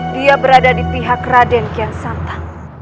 dia berada di pihak raden kiansantan